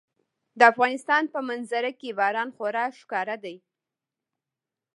د افغانستان په منظره کې باران خورا ښکاره دی.